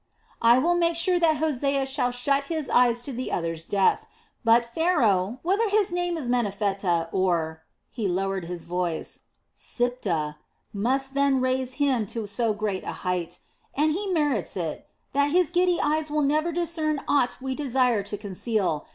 I will make sure that Hosea shall shut his eyes to the other's death; but Pharaoh, whether his name is Meneptah or" he lowered his voice "Siptah, must then raise him to so great a height and he merits it that his giddy eyes will never discern aught we desire to conceal.